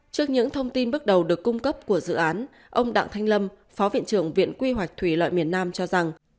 trước những thông tin bước đầu được cung cấp của dự án ông đặng thanh lâm phó viện trưởng viện quy hoạch thủy lợi miền nam cho rằng